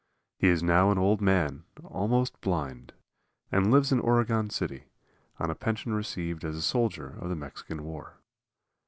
He is now an old man, almost blind, and lives in Oregon City, on a pension received as a soldier of the Mexican war.